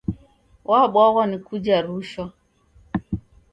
W'abwaghwa ni kuja rushwa.